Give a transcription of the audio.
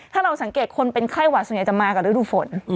ถ้าเราสังเกตคนเป็นไข้หวัดส่วนใหญ่จะมากับฤดูฝน